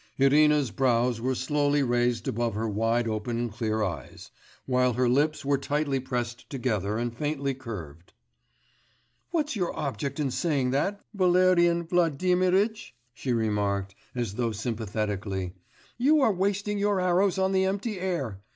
Irina's brows were slowly raised above her wide open clear eyes, while her lips were tightly pressed together and faintly curved. 'What's your object in saying that, Valerian Vladimiritch,' she remarked, as though sympathetically. 'You are wasting your arrows on the empty air....